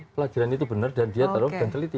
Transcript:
pelajaran itu benar dan dia taruh dan teliti